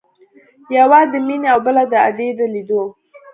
يوه د مينې او بله د ادې د ليدو.